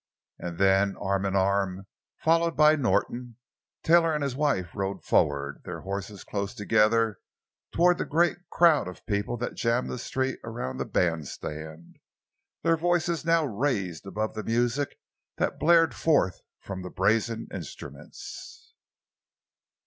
And then, arm in arm, followed by Norton, Taylor and his wife rode forward, their horses close together, toward the great crowd of people that jammed the street around the band stand, their voices now raised above the music that blared forth from the brazen instruments.